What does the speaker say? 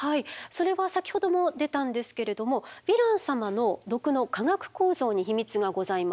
それは先ほども出たんですけれどもヴィラン様の毒の化学構造に秘密がございます。